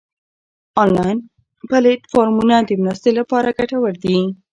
انلاین پلیټ فارمونه د مرستې لپاره ګټور دي.